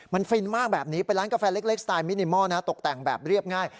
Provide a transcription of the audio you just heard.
มันฟินมากแบบนี้เป็นร้านกาแฟเล็กสไตล์มินิมอลตกแต่งแบบเรียบง่าย